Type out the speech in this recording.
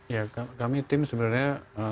ya kami tim sebenarnya